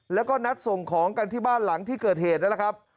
แล้วก็นัดส่งของกันที่บ้านหลังที่เกิดเหตุนั่นแหละครับ